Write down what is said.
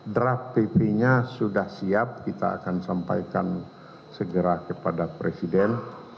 draft pp nya sudah siap kita akan sampaikan segera kepada presiden